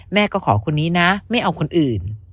แม่ก็ขอคนนี้นะไม่เอาคนอื่น